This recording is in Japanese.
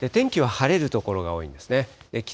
天気は晴れる所が多いんですね。